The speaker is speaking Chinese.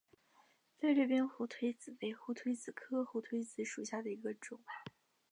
菲律宾胡颓子为胡颓子科胡颓子属下的一个种。